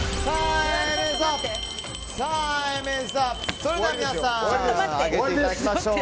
それでは皆さん上げていただきましょう。